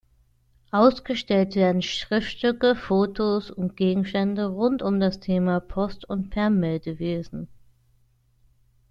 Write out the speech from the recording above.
Ausgestellt werden Schriftstücke, Fotos und Gegenstände rund um das Thema Post- und Fernmeldewesen.